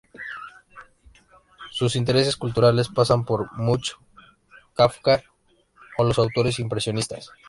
Sus intereses culturales pasan por Munch, Kafka o los autores impresionistas.